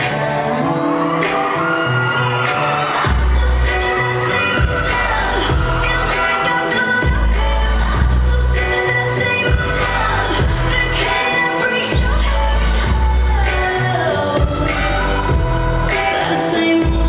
ถ้าต้องคุยกันจริงก็รอให้ถึงตอนนั้นดีกว่า